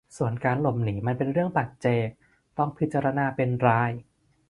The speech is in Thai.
ส่วนการหลบหนีมันเป็นเรื่องปัจเจกต้องพิจารณาเป็นราย